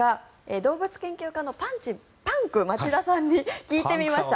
動物研究家のパンク町田さんに聞いてみました。